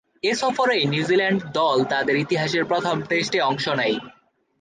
এ সফরেই নিউজিল্যান্ড দল তাদের ইতিহাসের প্রথম টেস্টে অংশ নেয়।